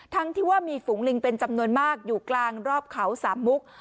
ที่ว่ามีฝูงลิงเป็นจำนวนมากอยู่กลางรอบเขาสามมุก